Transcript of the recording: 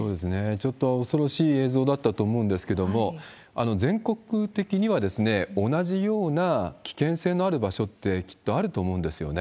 ちょっと恐ろしい映像だったと思うんですけれども、全国的には、同じような危険性のある場所って、きっとあると思うんですよね。